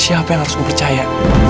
siapa yang harus gue percaya